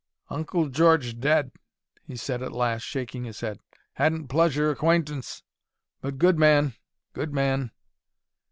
"Uncle George dead," he said, at last, shaking his head. "Hadn't pleasure acquaintance, but good man. Good man."